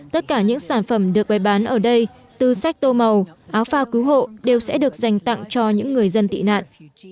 tất cả những sản phẩm được bày bán ở đây từ sách tô màu áo phao cứu hộ đều sẽ được dành tặng cho những người dân tị nạn